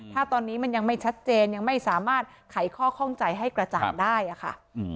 ถ้าตอนนี้มันยังไม่ชัดเจนยังไม่สามารถไขข้อข้องใจให้กระจ่างได้ค่ะ